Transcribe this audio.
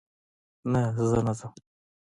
نه، زه نه ځم